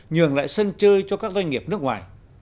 nhường lại sân chơi cho các doanh nghiệp nước ngoài